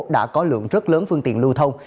đã có lượng rất lớn phương tiện lưu thông